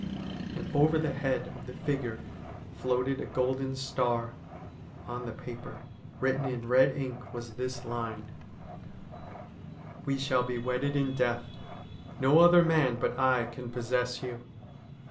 And over the head of the figure floated a golden star. On the paper written in red ink was this line :' We shall be wedded in death. No other man but I can possess you.'